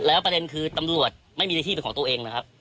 แล้วประเด็นคือตำรวจไม่มีในที่เป็นของตัวเองนะครับ